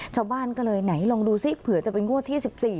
ชาวบ้านก็เลยไหนลองดูซิเผื่อจะเป็นงวดที่๑๔